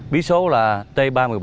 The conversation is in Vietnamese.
bí số là t ba trăm một mươi bảy